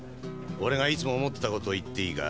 俺がいつも思ってたこと言っていいか？